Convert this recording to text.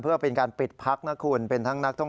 เพื่อเป็นการปิดพักนะคุณ